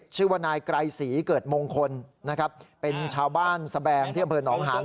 ชื่อว่านายไกรศรีเกิดมงคลนะครับเป็นชาวบ้านสแบงที่อำเภอหนองหาง